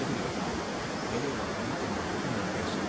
メニューがかぶってもよくないだろうし。